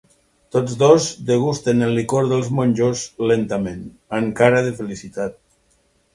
Tots dos degusten el licor dels monjos lentament, amb cara de felicitat.